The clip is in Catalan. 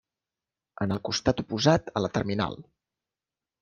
En el costat oposat a la terminal.